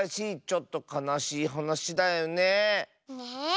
ちょっとかなしいはなしだよねえ。